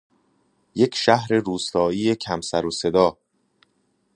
یک شهر روستایی کم سرو صدا